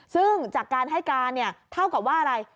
ซึ่งจากการให้การเนี่ยเท่ากับว่าอะไร